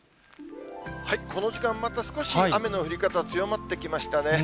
この時間、また少し雨の降り方強まってきましたね。